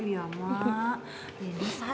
emak jangan nangis emak